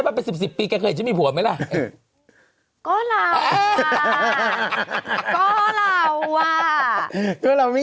เพราะเราไม่ยอมมีเองอะ